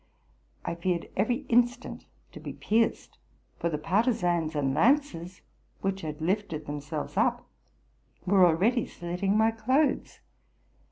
I feared every instant to be pierced; for the partisans and lances, which had lifted themselves up, were already slitting my clothes.